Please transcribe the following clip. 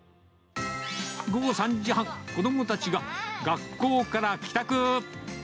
午後３時半、子どもたちが学校から帰宅。